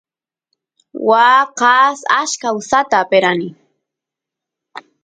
waa kaas achka usata aperani